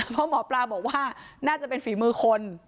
เพราะหมอปลาบอกว่าน่าจะเป็นฝีมือคน